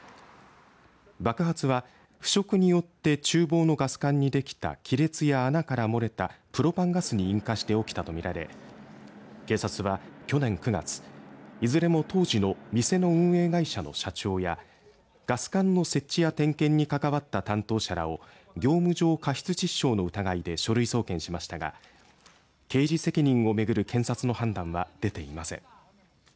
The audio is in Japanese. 爆発は腐食によってちゅう房のガス管にできた亀裂や穴から漏れたプロパンガスに引火して起きたと見られ警察は去年９月いずれも当時の店の運営会社の社長やガス管の設置や点検に関わった担当者らを業務上過失致傷の疑いで書類送検しましたが刑事責任を巡る検察の判断は出ていません。